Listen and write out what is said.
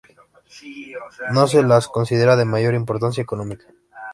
No se las considera de mayor importancia económica.